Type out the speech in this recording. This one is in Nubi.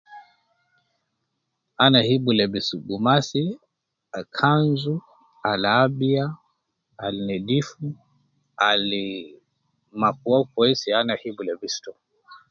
Ana hibu lebis gumas al kanzu al abiya al nedif al ,makuwa kwesi ya ana hibu lebisi to